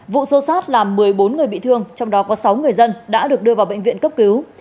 vụ xô xát làm một mươi bốn người bị thương trong đó có sáu người dân đã được đưa vào bệnh viện cấp cứu